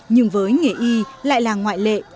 nhưng với nghề y lại là ngoại lệ